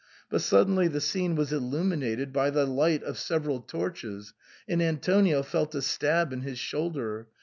But suddenly the scene was illuminated by the light of several torches, and Antonio felt a stab in his shoulder.